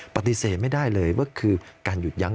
ปฏิเสธไม่ได้เลยว่าคือการหยุดยั้